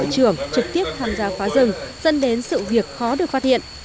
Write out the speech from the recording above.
trưởng trực tiếp tham gia phá rừng dân đến sự việc khó được phát hiện